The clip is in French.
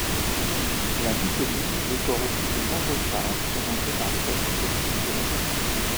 La mousseline décore aussi de nombreux chars présentés par les associations de la ville.